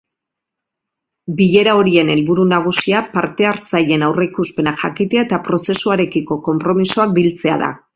Bilera horien helburu nagusia parte-hartzaileen aurreikuspenak jakitea eta prozesuarekiko konpromisoak biltzea da.